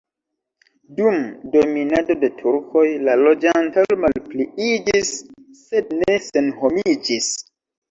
Dum dominado de turkoj la loĝantaro malpliiĝis sed ne senhomiĝis.